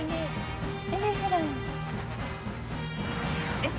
えっ？